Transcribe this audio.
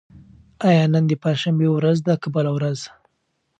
آیا نن د پنجشنبې ورځ ده که بله ورځ؟